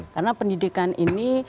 karena pendidikan ini